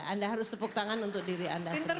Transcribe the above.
anda harus tepuk tangan untuk diri anda sendiri